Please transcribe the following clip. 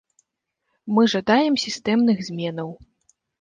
Мы жадаем сістэмных зменаў.